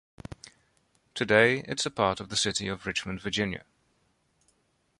Today, it is a part of the city of Richmond, Virginia.